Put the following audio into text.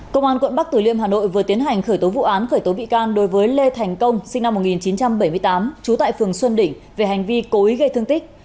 công an quận bắc tử liêm hà nội vừa tiến hành khởi tố vụ án khởi tố bị can đối với lê thành công sinh năm một nghìn chín trăm bảy mươi tám trú tại phường xuân đỉnh về hành vi cố ý gây thương tích